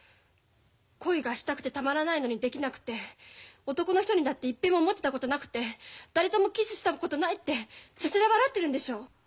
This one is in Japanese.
恋がしたくてたまらないのにできなくて男の人にだっていっぺんももてたことなくて誰ともキスしたことないってせせら笑ってるんでしょ。